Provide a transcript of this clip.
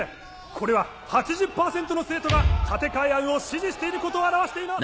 これは８０％の生徒が建て替え案を支持していることを表しています！